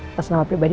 atas nama pribadi